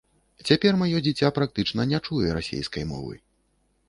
Цяпер маё дзіця практычна не чуе расейскай мовы.